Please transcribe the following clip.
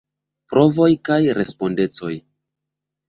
Povoj kaj respondecoj.